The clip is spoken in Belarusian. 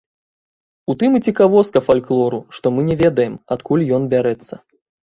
У тым і цікавостка фальклору, што мы не ведаем, адкуль ён бярэцца.